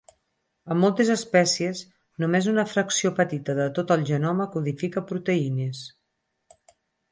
En moltes espècies, només una fracció petita de tot el genoma codifica proteïnes.